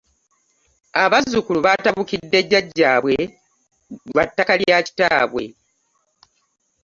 Abazzukulu baatabukidde jjajjaabwe lwa ttaka lya kitaabwe.